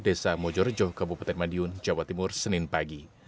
desa mojorejo kabupaten madiun jawa timur senin pagi